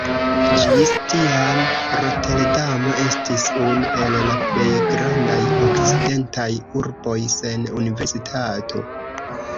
Ĝis tiam Roterdamo estis unu el la plej grandaj okcidentaj urboj sen universitato.